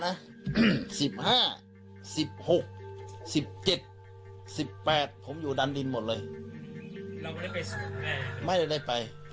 เราไม่ได้ไปสู่แม่งเหรอครับไม่ได้ไป